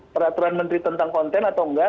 peraturan menteri tentang konten atau enggak